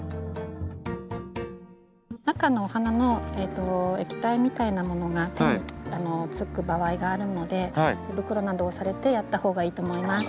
中のお花の液体みたいなものが手につく場合があるので手袋などをされてやったほうがいいと思います。